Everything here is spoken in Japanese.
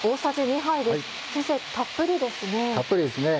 先生たっぷりですね。